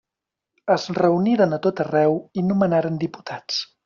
Es reuniren a tot arreu i nomenaren diputats.